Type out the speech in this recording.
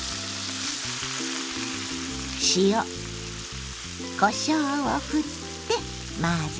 塩こしょうをふって混ぜて。